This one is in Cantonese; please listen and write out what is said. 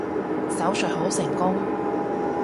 手術好成功